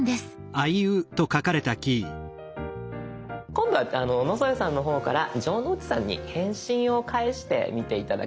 今度は野添さんの方から城之内さんに返信を返してみて頂けるでしょうか。